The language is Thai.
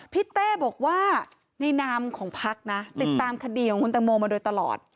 เต้บอกว่าในนามของพักนะติดตามคดีของคุณตังโมมาโดยตลอด